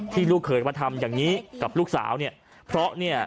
ลูกเคยมาทำอย่างนี้กับลูกสาวเนี่ยเพราะเนี่ย